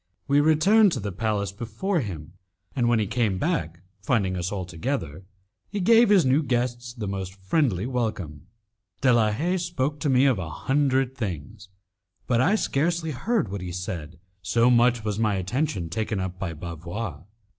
We returned to the palace before him, and when he came back, finding us all together, he gave his new guests the most friendly welcome. De la Haye spoke to me of a hundred things, but I scarcely heard what he said, so much was my attention taken up by Bavois.